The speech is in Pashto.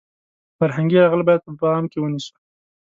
فرهنګي یرغل باید په پام کې ونیسو .